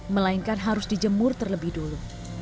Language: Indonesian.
melainkan harus dijemur terlebih dulu